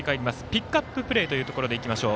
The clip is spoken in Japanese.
ピックアッププレーというところでいきましょう。